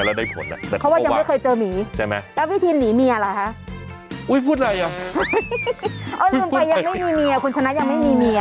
ลืมไปยังไม่มีเมียคุณชนะยังไม่มีเมีย